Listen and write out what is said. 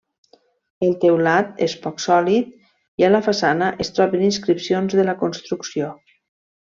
El teulat és poc sòlid i a la façana es troben inscripcions de la construcció.